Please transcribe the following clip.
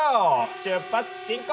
出発進行！